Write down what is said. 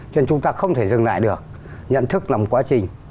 cho nên chúng ta không thể dừng lại được nhận thức nằm quá trình